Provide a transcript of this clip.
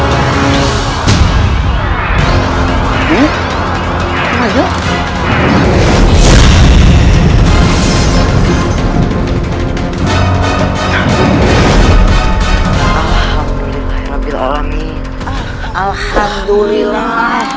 untuk memberontak kepada jajaran